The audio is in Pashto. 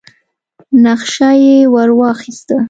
نخشه يې ور واخيسه.